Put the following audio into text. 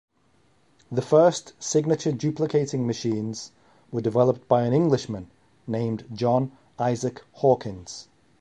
The first signature duplicating machines were developed by an Englishman named John Isaac Hawkins.